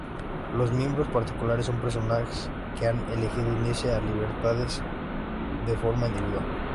Los miembros particulares son personas que han elegido unirse a Libertas.eu de forma individual.